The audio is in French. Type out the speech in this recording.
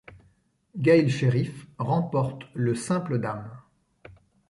Gail Sherriff remporte le simple dames.